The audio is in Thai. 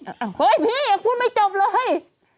เฮ้ยพี่ยังพูดไม่จบเลย